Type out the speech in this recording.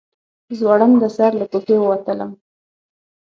زوړنده سر له کوټې ووتلم.